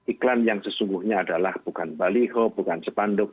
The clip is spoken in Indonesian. iklan yang sesungguhnya adalah bukan baliho bukan sepanduk